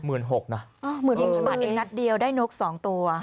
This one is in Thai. หมื่นนัดเดียวได้นก๒ตัว